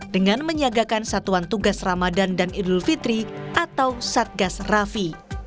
dengan menyiagakan satuan tugas ramadan dan idul fitri atau satgas rafi